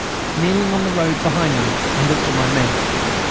Kneeling on the road behind them, I looked at my men.